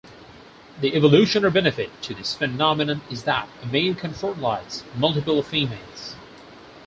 The evolutionary benefit to this phenomenon is that a male can fertilize multiple females.